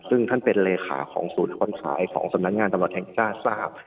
ซึ่งท่านเป็นเลขาของศูนย์คนขายของสำนักงานตำรวจแห่งชาติทราบ